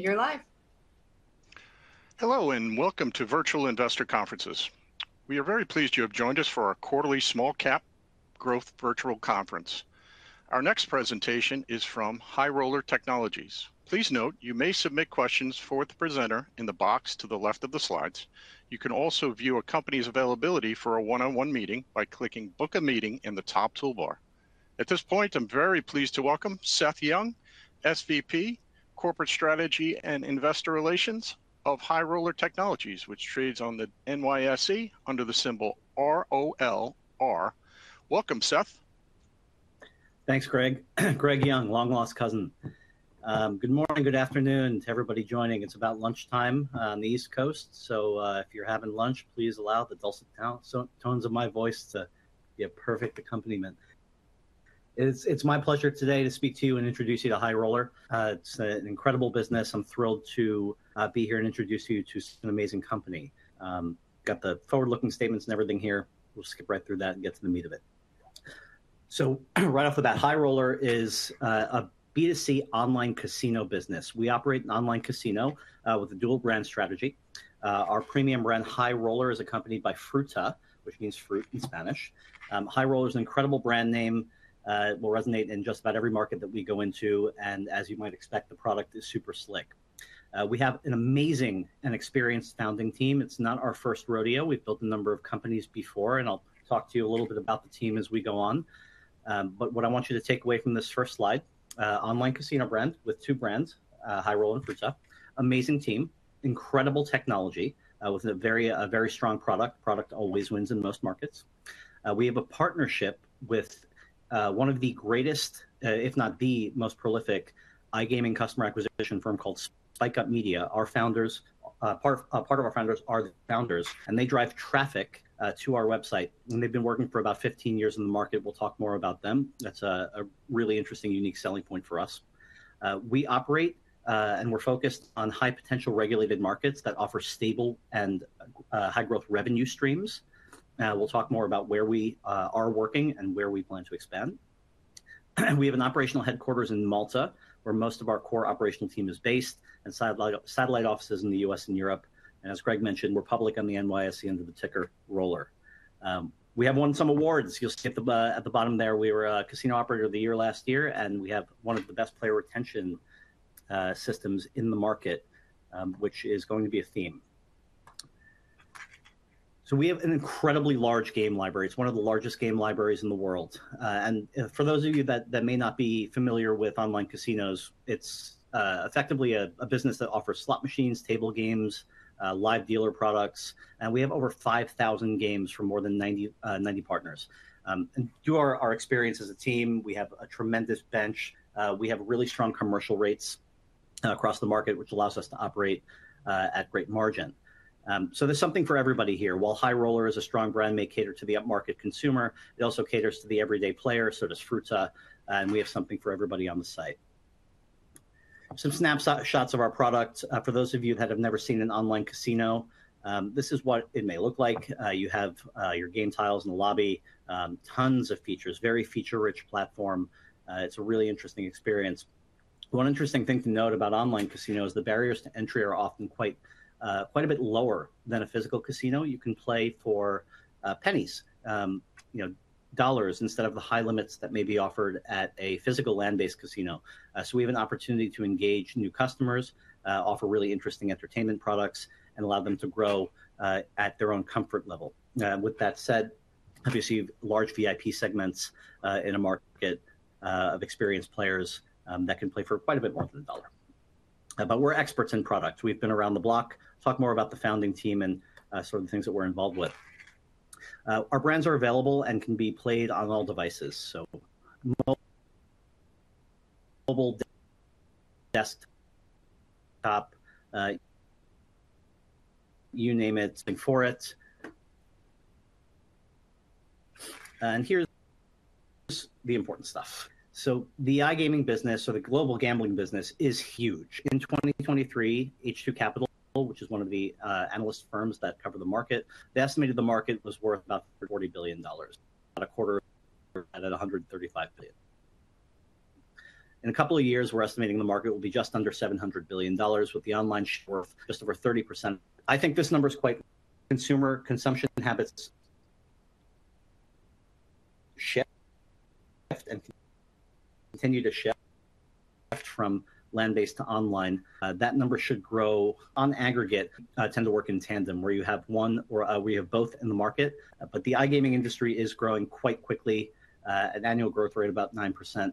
Your life. Hello and welcome to Virtual Investor Conferences. We are very pleased you have joined us for our quarterly Small Cap Growth Virtual Conference. Our next presentation is from High Roller Technologies. Please note you may submit questions for the presenter in the box to the left of the slides. You can also view a company's availability for a one-on-one meeting by clicking "Book a Meeting" in the top toolbar. At this point, I'm very pleased to welcome Seth Young, SVP, Corporate Strategy and Investor Relations of High Roller Technologies, which trades on the NYSE under the symbol ROLR. Welcome, Seth. Thanks, Greg. Greg Young, long-lost cousin. Good morning, good afternoon to everybody joining. It's about lunchtime on the East Coast, so if you're having lunch, please allow the dulcet tones of my voice to be a perfect accompaniment. It's my pleasure today to speak to you and introduce you to High Roller. It's an incredible business. I'm thrilled to be here and introduce you to an amazing company. Got the forward-looking statements and everything here. We'll skip right through that and get to the meat of it. Right off the bat, High Roller is a B2C online casino business. We operate an online casino with a dual-brand strategy. Our premium brand, High Roller, is accompanied by Fruta, which means fruit in Spanish. High Roller is an incredible brand name. It will resonate in just about every market that we go into. As you might expect, the product is super slick. We have an amazing and experienced founding team. It's not our first rodeo. We've built a number of companies before, and I'll talk to you a little bit about the team as we go on. What I want you to take away from this first slide: online casino brand with two brands, High Roller and Fruta. Amazing team, incredible technology with a very strong product. Product always wins in most markets. We have a partnership with one of the greatest, if not the most prolific, iGaming customer acquisition firm called Spike Up Media. Our founders, part of our founders, are the founders, and they drive traffic to our website. They've been working for about 15 years in the market. We'll talk more about them. That's a really interesting, unique selling point for us. We operate and we're focused on high-potential regulated markets that offer stable and high-growth revenue streams. We will talk more about where we are working and where we plan to expand. We have an operational headquarters in Malta, where most of our core operational team is based, and satellite offices in the U.S. and Europe. As Greg mentioned, we are public on the NYSE under the ticker ROLR. We have won some awards. You will see at the bottom there, we were a Casino Operator of the Year last year, and we have one of the best player retention systems in the market, which is going to be a theme. We have an incredibly large game library. It is one of the largest game libraries in the world. For those of you that may not be familiar with online casinos, it's effectively a business that offers slot machines, table games, live dealer products. We have over 5,000 games from more than 90 partners. Due to our experience as a team, we have a tremendous bench. We have really strong commercial rates across the market, which allows us to operate at great margin. There is something for everybody here. While High Roller is a strong brand, it may cater to the upmarket consumer. It also caters to the everyday player, so does Fruta. We have something for everybody on the site. Some snapshots of our product. For those of you that have never seen an online casino, this is what it may look like. You have your game tiles in the lobby, tons of features, very feature-rich platform. It's a really interesting experience. One interesting thing to note about online casinos is the barriers to entry are often quite a bit lower than a physical casino. You can play for pennies, dollars, instead of the high limits that may be offered at a physical land-based casino. We have an opportunity to engage new customers, offer really interesting entertainment products, and allow them to grow at their own comfort level. With that said, we receive large VIP segments in a market of experienced players that can play for quite a bit more than a dollar. We're experts in product. We've been around the block. Talk more about the founding team and sort of the things that we're involved with. Our brands are available and can be played on all devices. Mobile, desktop, you name it, for it. Here's the important stuff. The iGaming business, or the global gambling business, is huge. In 2023, H2 Capital, which is one of the analyst firms that cover the market, estimated the market was worth about $40 billion, about a 1/4 at $135 billion. In a couple of years, we're estimating the market will be just under $700 billion, with the online share worth just over 30%. I think this number is quite, consumer consumption habits shift and continue to shift from land-based to online. That number should grow on aggregate. Tend to work in tandem where you have one or we have both in the market. The iGaming industry is growing quite quickly, an annual growth rate of about 9%.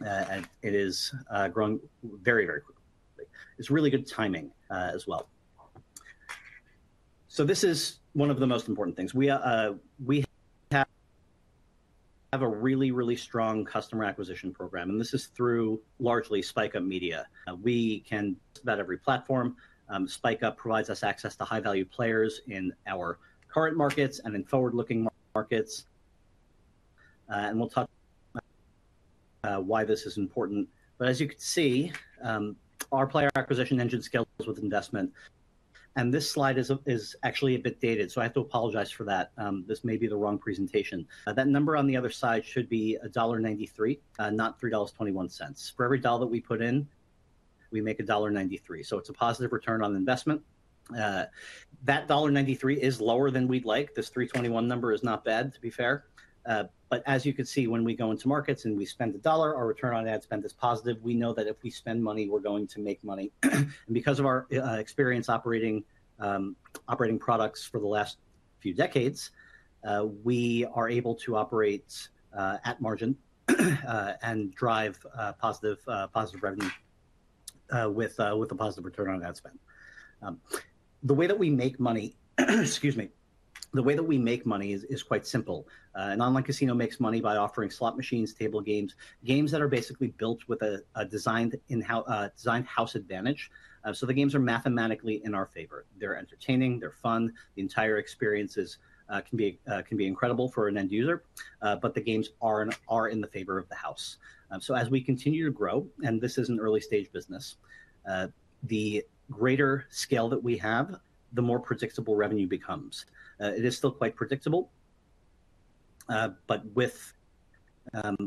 It is growing very, very quickly. It's really good timing as well. This is one of the most important things. We have a really, really strong customer acquisition program, and this is through largely Spike Up Media. We can about every platform. Spike Up provides us access to high-value players in our current markets and in forward-looking markets. We will talk why this is important. As you can see, our player acquisition engine scales with investment. This slide is actually a bit dated, so I have to apologize for that. This may be the wrong presentation. That number on the other side should be $1.93, not $3.21. For every dollar that we put in, we make $1.93. It is a positive ROI. That $1.93 is lower than we would like. This $3.21 number is not bad, to be fair. As you can see, when we go into markets and we spend a dollar, our return on ad spend is positive. We know that if we spend money, we're going to make money. Because of our experience operating products for the last few decades, we are able to operate at margin and drive positive revenue with a positive return on ad spend. The way that we make money, excuse me, the way that we make money is quite simple. An online casino makes money by offering slot machines, table games, games that are basically built with a designed house advantage. The games are mathematically in our favor. They're entertaining, they're fun. The entire experience can be incredible for an end user. The games are in the favor of the house. As we continue to grow, and this is an early-stage business, the greater scale that we have, the more predictable revenue becomes. It is still quite predictable, but with,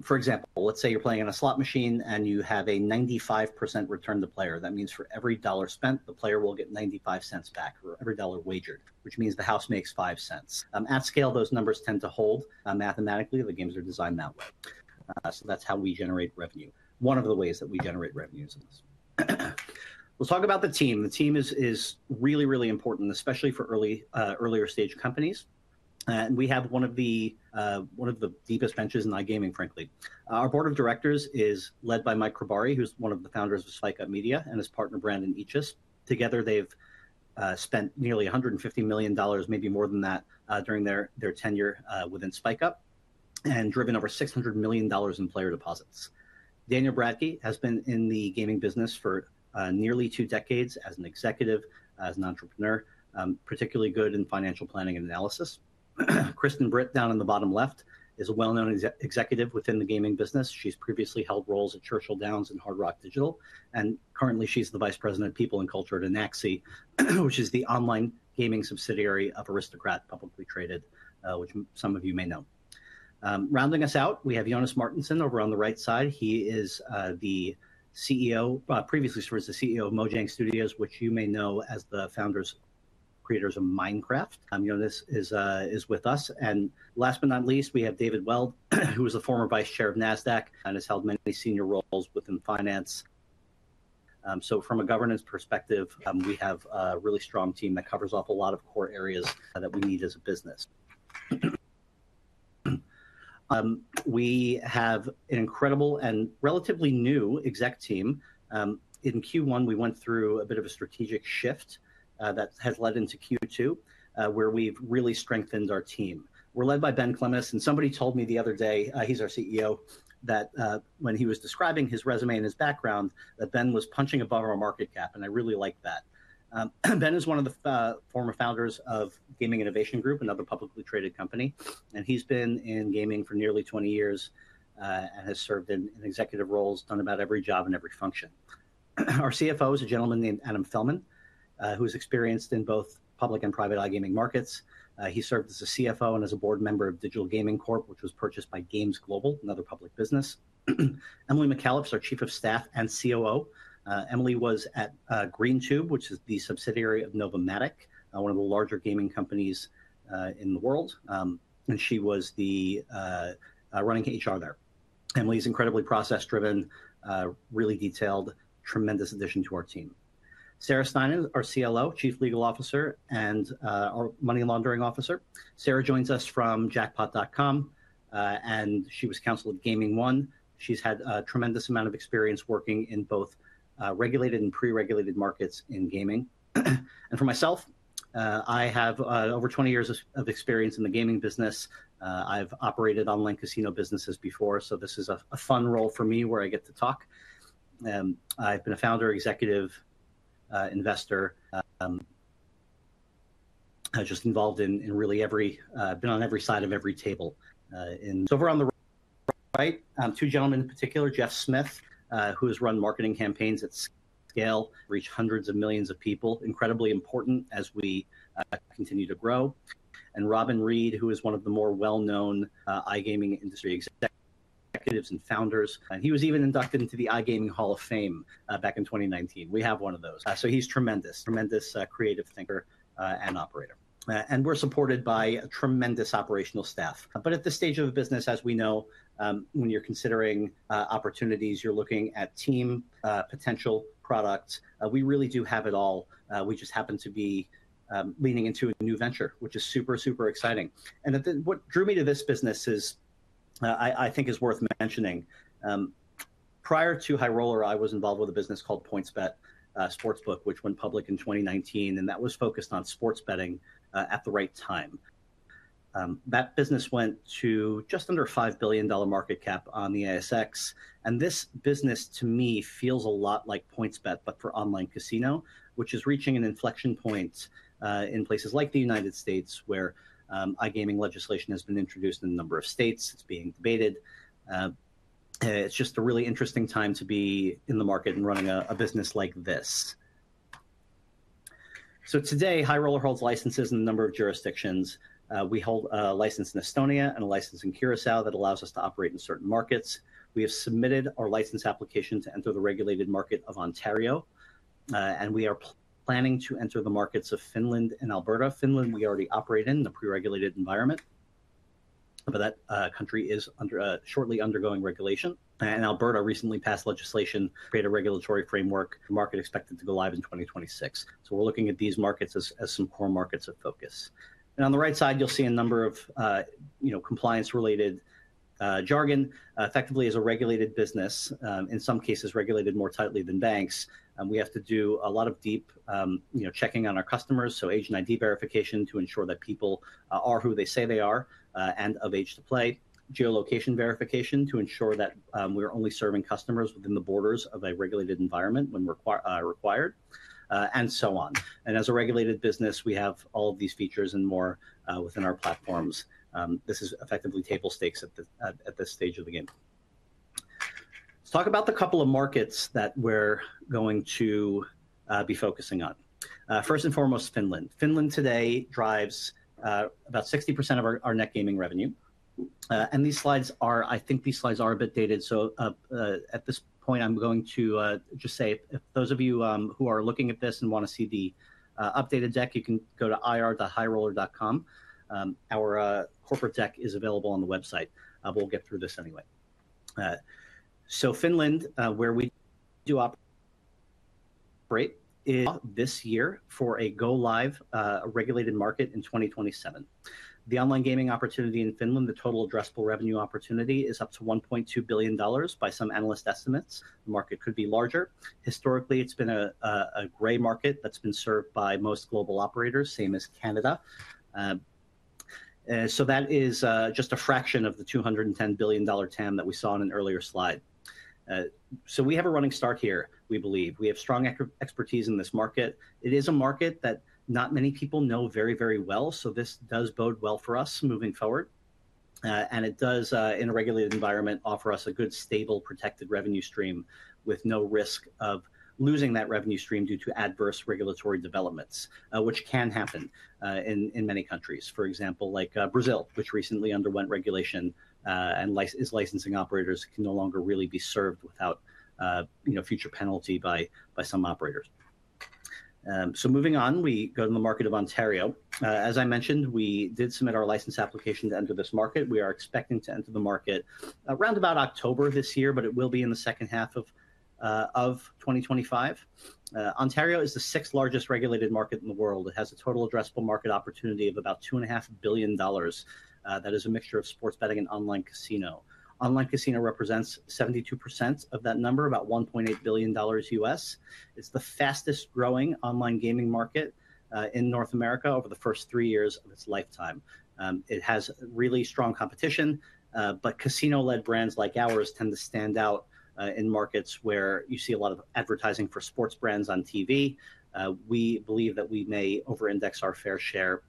for example, let's say you're playing on a slot machine and you have a 95% return to player. That means for every dollar spent, the player will get $0.95 back or every dollar wagered, which means the house makes $0.05. At scale, those numbers tend to hold mathematically. The games are designed that way. That's how we generate revenue, one of the ways that we generate revenues in this. We'll talk about the team. The team is really, really important, especially for earlier-stage companies. We have one of the deepest benches in iGaming, frankly. Our board of directors is led by Mike Cribari, who's one of the founders of Spike Up Media, and his partner, Brandon Eachus. Together, they've spent nearly $150 million, maybe more than that, during their tenure within Spike Up and driven over $600 million in player deposits. Daniel Bradtke has been in the gaming business for nearly two decades as an executive, as an entrepreneur, particularly good in financial planning and analysis. Kristen Britt, down in the bottom left, is a well-known executive within the gaming business. She has previously held roles at Churchill Downs and Hard Rock Digital. Currently, she is the Vice President of People and Culture at Anaxi, which is the online gaming subsidiary of Aristocrat, publicly traded, which some of you may know. Rounding us out, we have Jonas Martensson over on the right side. He is the CEO, previously served as the CEO of Mojang Studios, which you may know as the founders and creators of Minecraft. Jonas is with us. Last but not least, we have David Weild, who is the former vice chair of NASDAQ and has held many senior roles within finance. From a governance perspective, we have a really strong team that covers off a lot of core areas that we need as a business. We have an incredible and relatively new exec team. In Q1, we went through a bit of a strategic shift that has led into Q2, where we have really strengthened our team. We are led by Ben Clemes. Somebody told me the other day, he is our CEO, that when he was describing his resume and his background, that Ben was punching above our market cap. I really liked that. Ben is one of the former founders of Gaming Innovation Group, another publicly traded company. He's been in gaming for nearly 20 years and has served in executive roles, done about every job and every function. Our CFO is a gentleman named Adam Felman, who is experienced in both public and private iGaming markets. He served as a CFO and as a board member of Digital Gaming Corp, which was purchased by Games Global, another public business. Emily McAuliffe is our Chief of Staff and COO. Emily was at GreenTube, which is the subsidiary of Novomatic, one of the larger gaming companies in the world. She was running HR there. Emily is incredibly process-driven, really detailed, tremendous addition to our team. Sarah Stienon is our CLO, Chief Legal Officer, and our money laundering officer. Sarah joins us from jackpot.com, and she was counsel at Gaming One. She's had a tremendous amount of experience working in both regulated and pre-regulated markets in gaming. For myself, I have over 20 years of experience in the gaming business. I've operated online casino businesses before, so this is a fun role for me where I get to talk. I've been a founder, executive, investor, just involved in really every, been on every side of every table in. We're on the right, two gentlemen in particular, Jeff Smith, who has run marketing campaigns at scale, reached hundreds of millions of people, incredibly important as we continue to grow. Robin Reed, who is one of the more well-known iGaming industry executives and founders, and he was even inducted into the iGaming Hall of Fame back in 2019. We have one of those. He's a tremendous, tremendous creative thinker and operator. We're supported by a tremendous operational staff. At this stage of the business, as we know, when you're considering opportunities, you're looking at team potential products. We really do have it all. We just happen to be leaning into a new venture, which is super, super exciting. What drew me to this business is, I think, is worth mentioning. Prior to High Roller, I was involved with a business called Points Bet Sportsbook, which went public in 2019, and that was focused on sports betting at the right time. That business went to just under $5 billion market cap on the ASX. This business, to me, feels a lot like Points Bet, but for online casino, which is reaching an inflection point in places like the United Sates, where iGaming legislation has been introduced in a number of states. It's being debated. It's just a really interesting time to be in the market and running a business like this. Today, High Roller holds licenses in a number of jurisdictions. We hold a license in Estonia and a license in Curacao that allows us to operate in certain markets. We have submitted our license application to enter the regulated market of Ontario, and we are planning to enter the markets of Finland and Alberta. Finland, we already operate in the pre-regulated environment, but that country is shortly undergoing regulation. Alberta recently passed legislation to create a regulatory framework. The market is expected to go live in 2026. We're looking at these markets as some core markets of focus. On the right side, you'll see a number of compliance-related jargon. Effectively, as a regulated business, in some cases, regulated more tightly than banks, we have to do a lot of deep checking on our customers. Age and ID verification to ensure that people are who they say they are and of age to play. Geolocation verification to ensure that we are only serving customers within the borders of a regulated environment when required, and so on. As a regulated business, we have all of these features and more within our platforms. This is effectively table stakes at this stage of the game. Let's talk about the couple of markets that we are going to be focusing on. First and foremost, Finland. Finland today drives about 60% of our net gaming revenue. These slides are, I think these slides are a bit dated. At this point, I'm going to just say, if those of you who are looking at this and want to see the updated deck, you can go to ir@highroller.com. Our corporate deck is available on the website. We'll get through this anyway. Finland, where we do operate, is this year for a go-live regulated market in 2027. The online gaming opportunity in Finland, the total addressable revenue opportunity, is up to $1.2 billion by some analyst estimates. The market could be larger. Historically, it's been a gray market that's been served by most global operators, same as Canada. That is just a fraction of the $210 billion TAM that we saw on an earlier slide. We have a running start here, we believe. We have strong expertise in this market. It is a market that not many people know very, very well. This does bode well for us moving forward. It does, in a regulated environment, offer us a good, stable, protected revenue stream with no risk of losing that revenue stream due to adverse regulatory developments, which can happen in many countries. For example, Brazil, which recently underwent regulation and is licensing operators, can no longer really be served without future penalty by some operators. Moving on, we go to the market of Ontario. As I mentioned, we did submit our license application to enter this market. We are expecting to enter the market around October this year, but it will be in the second half of 2025. Ontario is the sixth largest regulated market in the world. It has a total addressable market opportunity of about $2.5 billion. That is a mixture of sports betting and online casino. Online casino represents 72% of that number, about $1.8 billion U.S. It's the fastest growing online gaming market in North America over the first three years of its lifetime. It has really strong competition, but casino-led brands like ours tend to stand out in markets where you see a lot of advertising for sports brands on TV. We believe that we may over-index our fair share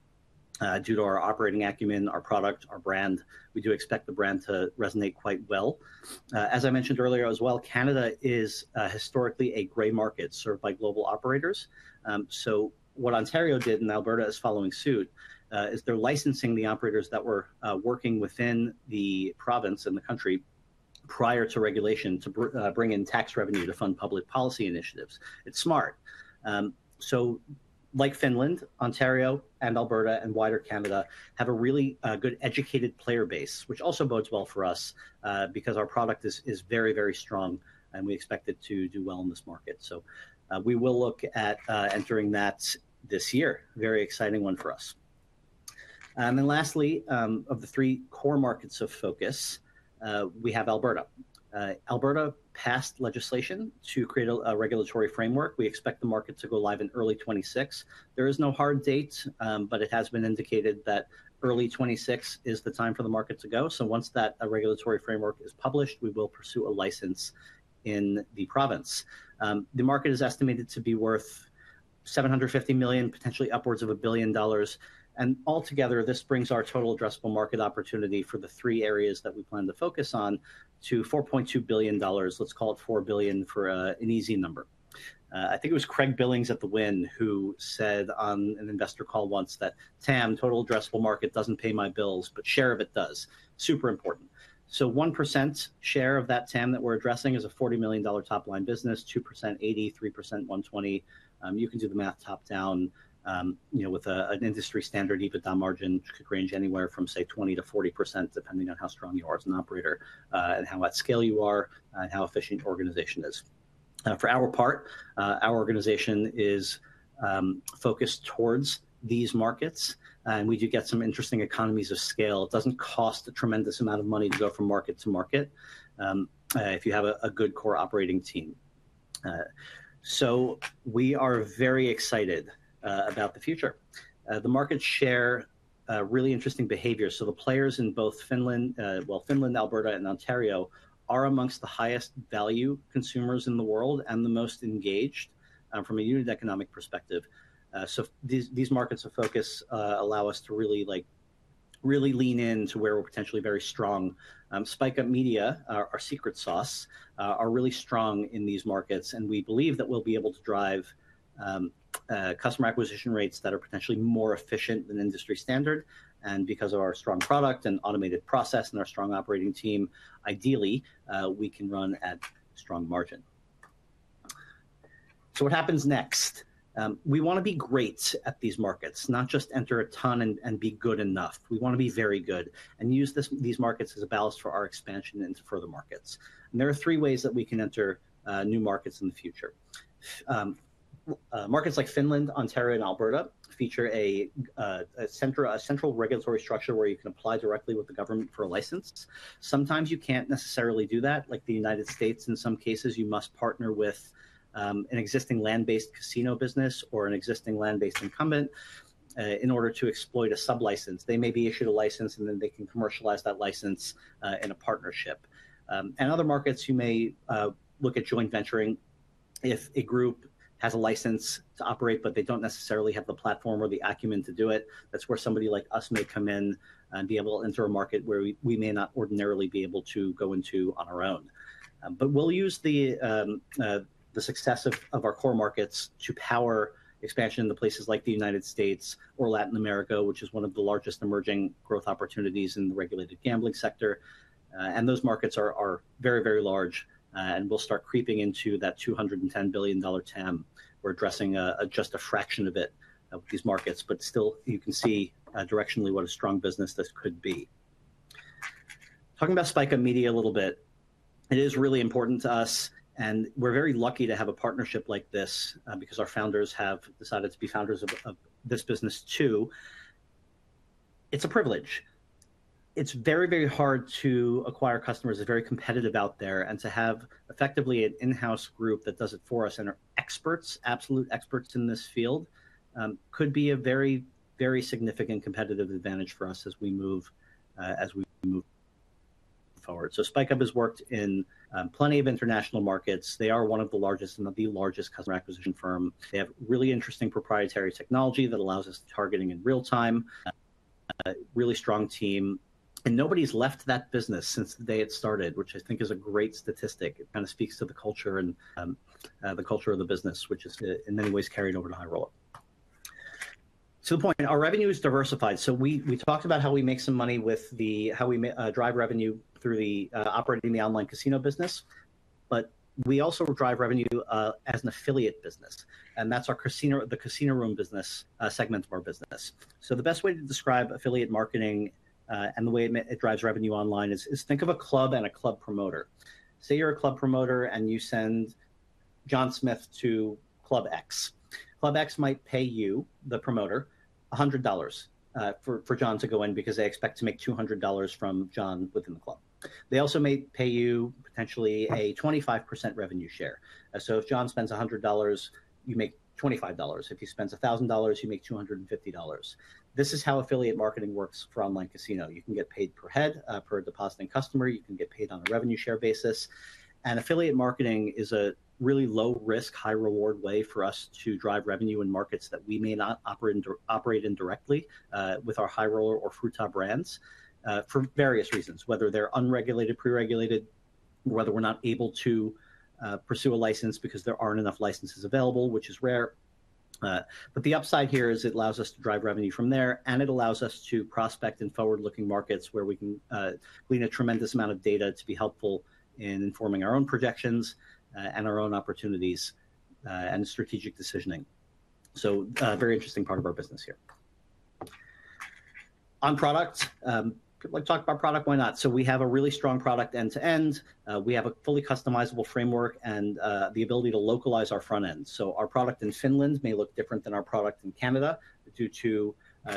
due to our operating acumen, our product, our brand. We do expect the brand to resonate quite well. As I mentioned earlier as well, Canada is historically a gray market served by global operators. What Ontario did and Alberta is following suit is they're licensing the operators that were working within the province and the country prior to regulation to bring in tax revenue to fund public policy initiatives. It's smart. Like Finland, Ontario and Alberta and wider Canada have a really good educated player base, which also bodes well for us because our product is very, very strong and we expect it to do well in this market. We will look at entering that this year. Very exciting one for us. Lastly, of the three core markets of focus, we have Alberta. Alberta passed legislation to create a regulatory framework. We expect the market to go live in early 2026. There is no hard date, but it has been indicated that early 2026 is the time for the market to go. Once that regulatory framework is published, we will pursue a license in the province. The market is estimated to be worth $750 million, potentially upwards of $1 billion. Altogether, this brings our total addressable market opportunity for the three areas that we plan to focus on to $4.2 billion. Let's call it $4 billion for an easy number. I think it was Craig Billings at Wynn who said on an investor call once that, "TAM, total addressable market doesn't pay my bills, but share of it does." Super important. 1% share of that TAM that we're addressing is a $40 million top-line business, 2% is $80 million, 3% is $120 million. You can do the math top-down with an industry standard EBITDA margin that could range anywhere from 20%-40%, depending on how strong you are as an operator and how at scale you are and how efficient your organization is. For our part, our organization is focused towards these markets. We do get some interesting economies of scale. It doesn't cost a tremendous amount of money to go from market to market if you have a good core operating team. We are very excited about the future. The markets share really interesting behavior. The players in both Finland, Alberta, and Ontario are amongst the highest value consumers in the world and the most engaged from a unit economic perspective. These markets of focus allow us to really lean into where we're potentially very strong. Spike Up Media, our secret sauce, are really strong in these markets. We believe that we'll be able to drive customer acquisition rates that are potentially more efficient than industry standard. Because of our strong product and automated process and our strong operating team, ideally, we can run at strong margin. What happens next? We want to be great at these markets, not just enter a ton and be good enough. We want to be very good and use these markets as a balance for our expansion into further markets. There are three ways that we can enter new markets in the future. Markets like Finland, Ontario, and Alberta feature a central regulatory structure where you can apply directly with the government for a license. Sometimes you cannot necessarily do that. Like the United States, in some cases, you must partner with an existing land-based casino business or an existing land-based incumbent in order to exploit a sub-license. They may be issued a license, and then they can commercialize that license in a partnership. In other markets, you may look at joint venturing. If a group has a license to operate, but they do not necessarily have the platform or the acumen to do it, that is where somebody like us may come in and be able to enter a market where we may not ordinarily be able to go into on our own. We will use the success of our core markets to power expansion in places like the United States or Latin America, which is one of the largest emerging growth opportunities in the regulated gambling sector. Those markets are very, very large. We will start creeping into that $210 billion TAM. We are addressing just a fraction of it with these markets. Still, you can see directionally what a strong business this could be. Talking about Spike Up Media a little bit, it is really important to us. We're very lucky to have a partnership like this because our founders have decided to be founders of this business too. It's a privilege. It's very, very hard to acquire customers that are very competitive out there, and to have effectively an in-house group that does it for us and are experts, absolute experts in this field, could be a very, very significant competitive advantage for us as we move forward. Spike Up has worked in plenty of international markets. They are one of the largest and the largest customer acquisition firms. They have really interesting proprietary technology that allows us targeting in real time, really strong team. Nobody's left that business since the day it started, which I think is a great statistic. It kind of speaks to the culture and the culture of the business, which is in many ways carried over to High Roller. To the point, our revenue is diversified. We talked about how we make some money with the how we drive revenue through operating the online casino business. We also drive revenue as an affiliate business. That is the casino room business segment of our business. The best way to describe affiliate marketing and the way it drives revenue online is think of a club and a club promoter. Say you are a club promoter and you send John Smith to Club X. Club X might pay you, the promoter, $100 for John to go in because they expect to make $200 from John within the club. They also may pay you potentially a 25% revenue share. If John spends $100, you make $25. If he spends $1,000, you make $250. This is how affiliate marketing works for online casino. You can get paid per head per depositing customer. You can get paid on a revenue share basis. Affiliate marketing is a really low-risk, high-reward way for us to drive revenue in markets that we may not operate in directly with our High Roller or Fruta brands for various reasons, whether they're unregulated, pre-regulated, whether we're not able to pursue a license because there aren't enough licenses available, which is rare. The upside here is it allows us to drive revenue from there, and it allows us to prospect in forward-looking markets where we can glean a tremendous amount of data to be helpful in informing our own projections and our own opportunities and strategic decisioning. A very interesting part of our business here. On product, talk about product, why not? We have a really strong product end-to-end. We have a fully customizable framework and the ability to localize our front end. Our product in Finland may look different than our product in Canada due to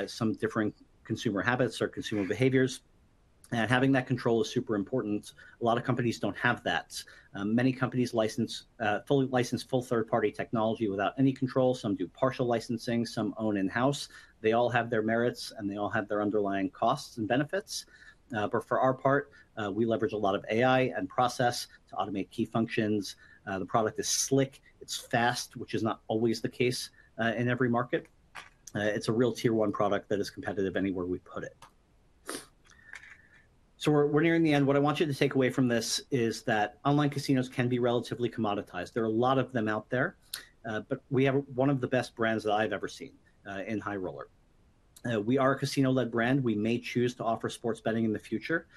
some different consumer habits or consumer behaviors. Having that control is super important. A lot of companies do not have that. Many companies fully license full third-party technology without any control. Some do partial licensing. Some own in-house. They all have their merits, and they all have their underlying costs and benefits. For our part, we leverage a lot of AI and process to automate key functions. The product is slick. It is fast, which is not always the case in every market. It is a real tier-one product that is competitive anywhere we put it. We are nearing the end. What I want you to take away from this is that online casinos can be relatively commoditized. There are a lot of them out there, but we have one of the best brands that I've ever seen in High Roller. We are a casino-led brand. We may choose to offer sports betting in the future.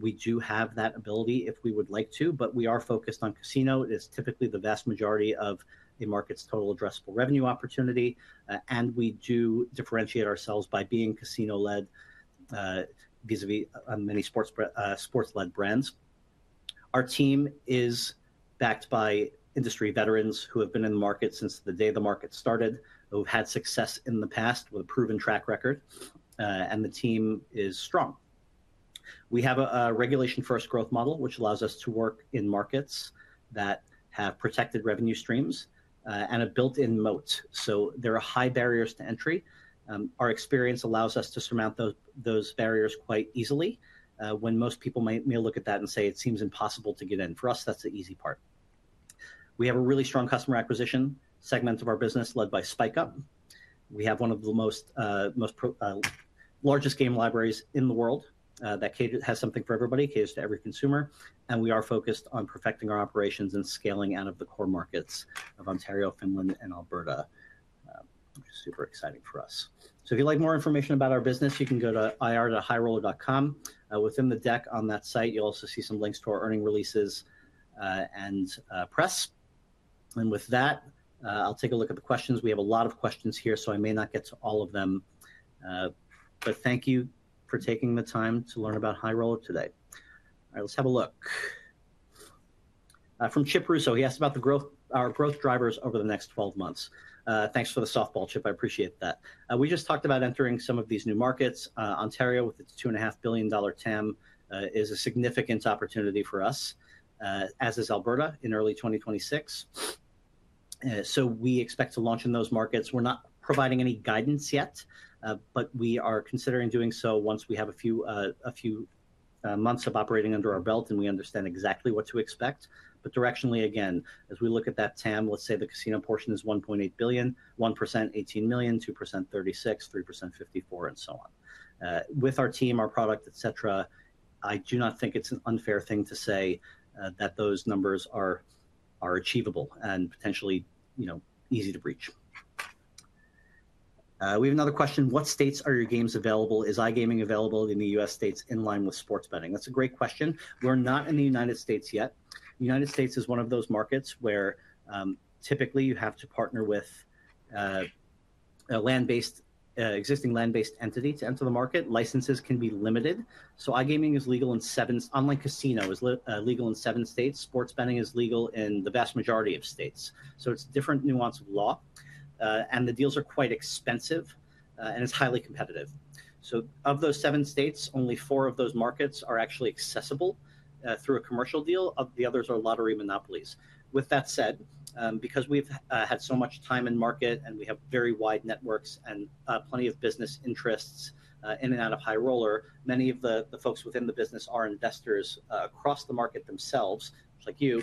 We do have that ability if we would like to, but we are focused on casino. It is typically the vast majority of a market's total addressable revenue opportunity. We do differentiate ourselves by being casino-led vis-à-vis many sports-led brands. Our team is backed by industry veterans who have been in the market since the day the market started, who have had success in the past with a proven track record, and the team is strong. We have a regulation-first growth model, which allows us to work in markets that have protected revenue streams and a built-in moat. There are high barriers to entry. Our experience allows us to surmount those barriers quite easily. When most people may look at that and say, "It seems impossible to get in," for us, that's the easy part. We have a really strong customer acquisition segment of our business led by Spike Up Media. We have one of the largest game libraries in the world that has something for everybody, caters to every consumer. We are focused on perfecting our operations and scaling out of the core markets of Ontario, Finland, and Alberta, which is super exciting for us. If you'd like more information about our business, you can go to ir.highroller.com. Within the deck on that site, you'll also see some links to our earnings releases and press. With that, I'll take a look at the questions. We have a lot of questions here, so I may not get to all of them. But thank you for taking the time to learn about High Roller today. All right, let's have a look. From Chip Russo, he asked about our growth drivers over the next 12 months. Thanks for the softball, Chip. I appreciate that. We just talked about entering some of these new markets. Ontario, with its $2.5 billion TAM, is a significant opportunity for us, as is Alberta in early 2026. So we expect to launch in those markets. We're not providing any guidance yet, but we are considering doing so once we have a few months of operating under our belt and we understand exactly what to expect. But directionally, again, as we look at that TAM, let's say the casino portion is $1.8 billion, 1% is $18 million, 2% is $36 million, 3% is $54 million, and so on. With our team, our product, etc., I do not think it's an unfair thing to say that those numbers are achievable and potentially easy to breach. We have another question. What states are your games available? Is iGaming available in the U.S. states in line with sports betting? That's a great question. We're not in the U.S. yet. The U.S. is one of those markets where typically you have to partner with an existing land-based entity to enter the market. Licenses can be limited. iGaming is legal in seven states. Online casino is legal in seven states. Sports betting is legal in the vast majority of states. It's a different nuance of law. The deals are quite expensive and it's highly competitive. Of those seven states, only four of those markets are actually accessible through a commercial deal. The others are lottery monopolies. With that said, because we've had so much time in market and we have very wide networks and plenty of business interests in and out of High Roller, many of the folks within the business are investors across the market themselves, like you.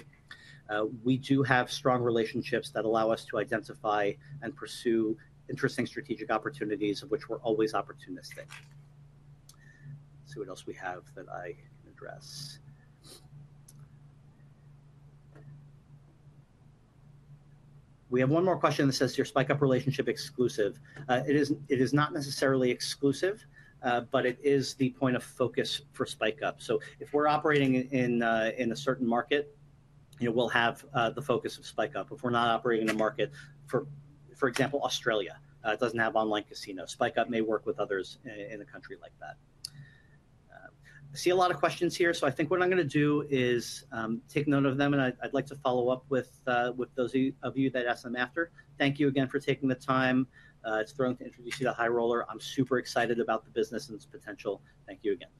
We do have strong relationships that allow us to identify and pursue interesting strategic opportunities, of which we're always opportunistic. Let's see what else we have that I can address. We have one more question that says, "Is your Spike Up relationship exclusive?" It is not necessarily exclusive, but it is the point of focus for Spike Up. If we're operating in a certain market, we'll have the focus of Spike Up. If we're not operating in a market, for example, Australia, it doesn't have online casino. Spike Up may work with others in a country like that. I see a lot of questions here, so I think what I'm going to do is take note of them, and I'd like to follow up with those of you that asked them after. Thank you again for taking the time. It's thrilling to introduce you to High Roller. I'm super excited about the business and its potential. Thank you again.